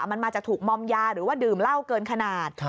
มันมาจากถูกมอมยาหรือว่าดื่มเหล้าเกินขนาด